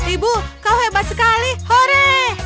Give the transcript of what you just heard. ibu kau hebat sekali hore